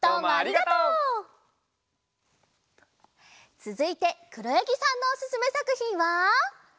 つづいてくろやぎさんのおすすめさくひんは？